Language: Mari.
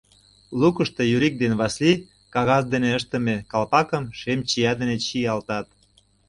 Лукышто Юрик ден Васлий кагаз дене ыштыме калпакым шем чия дене чиялтат.